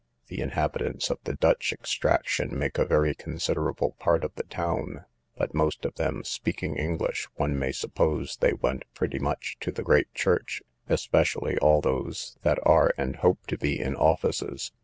The inhabitants of the Dutch extraction make a very considerable part of the town; but, most of them speaking English, one may suppose they went pretty much to the great church, especially all those that are and hope to be in offices.